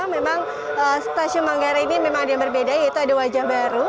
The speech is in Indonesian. memang stasiun manggarai ini memang ada yang berbeda yaitu ada wajah baru